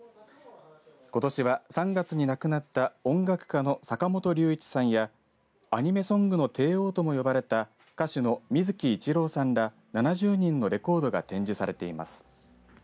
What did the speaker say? ことしは３月に亡くなった音楽家の坂本龍一さんやアニメソングの帝王とも呼ばれた歌手の水木一郎さんら７０人のレコードが展示されています。